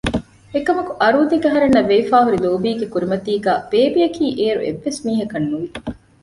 އެކަމަކު އަރޫދެކެ އަހަރެންނަށް ވެވިފައިހުރި ލޯބީގެ ކުރިމަތީގައި ބޭބެއަކީ އޭރު އެއްވެސް މީހަކަށް ނުވި